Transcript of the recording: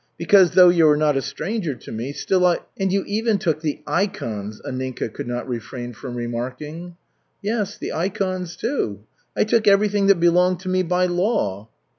Because, though you are not a stranger to me, still I " "And you even took the ikons," Anninka could not refrain from remarking. "Yes, the ikons, too. I took everything that belonged to me by law."